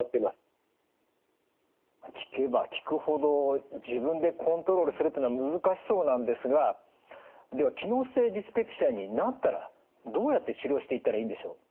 聞けば聞くほど自分でコントロールするというのは難しそうなんですがでは機能性ディスペプシアになったらどうやって治療していったらいいんでしょう？